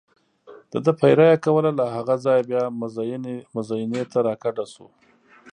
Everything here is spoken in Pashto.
دده پیره یې کوله، له هغه ځایه بیا مزینې ته را کډه شو.